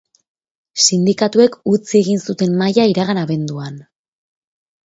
Sindikatuek utzi egin zuten mahaia iragan abenduan.